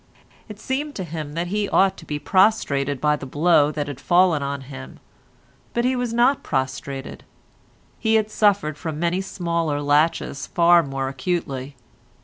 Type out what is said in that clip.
It seemed to him that he ought to be prostrated by the blow that had fallen on him, but he was not prostrated; he had suffered from many smaller laches far more acutely.